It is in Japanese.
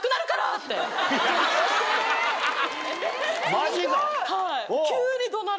マジか？